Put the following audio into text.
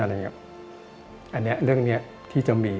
อันนี้เรื่องนี้ที่จะมี